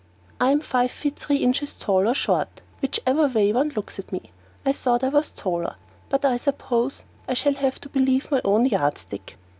I am five feet three inches tall or short, whichever way one looks at me. I thought I was taller, but I suppose I shall have to believe my own yardstick.